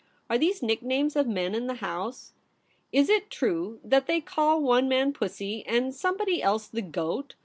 ' Are these nicknames of men in the House ? Is it true that they call one man "Pussy," and somebody else "the Goat"?